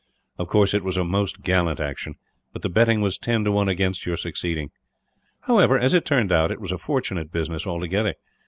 Of course, it was a most gallant action; but the betting was ten to one against your succeeding. However, as it turned out, it was a fortunate business, altogether.